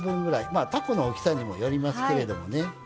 まあたこの大きさにもよりますけれどもね。